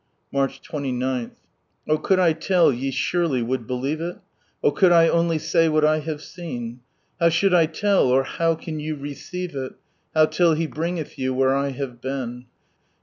Manh 29, —" Oh could I tell, ye surely would believe it I Oh could I only say what I have seen '. How should I lell, ot how Can ye receive it. How, till He bringflh you where I have been?"